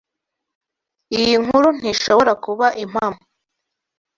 Iyi nkuru ntishobora kuba impamo.